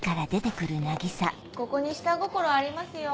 ここに下心ありますよ。